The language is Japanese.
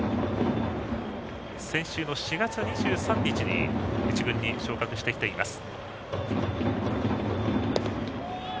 先週の４月２３日に１軍に昇格してきています。